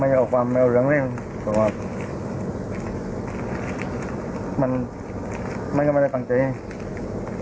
ไม่เอาไม่เอาความไม่เอาเรื่องเรื่องแต่ว่ามันมันก็ไม่ได้ตั้งใจเอง